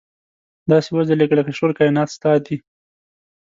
داسې وځلېږه لکه چې ټول کاینات ستا دي.